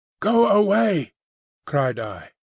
"Go away!" cried I.